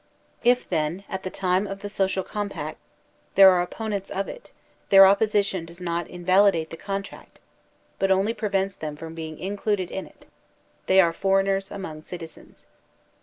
If, then, at the time of the social compact, there are opponents of it, their opposition does not invalidate the contract, but only prevents them from being included in it; they are foreigners among citizens.